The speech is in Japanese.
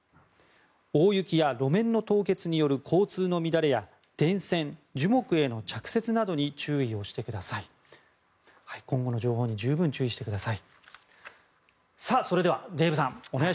大雪や路面の凍結による交通の乱れや電線、樹木への着雪などに注意をしてください。